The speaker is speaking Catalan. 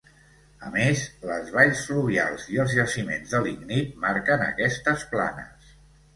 A més, les valls fluvials i els jaciments de lignit marquen aquestes planes.